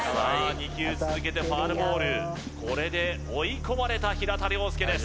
２球続けてファウルボールこれで追い込まれた平田良介です